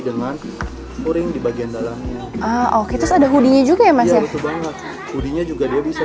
dengan turing di bagian dalamnya oke terus ada hodinya juga ya mas ya hodinya juga dia bisa